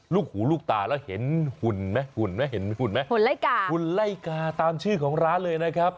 ลูกหูลูกตาแล้วเห็นหุ่นไหมหุ่นไล่กาตามชื่อของร้านเลยนะครับ